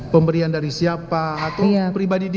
pemberian dari siapa atau pribadi dia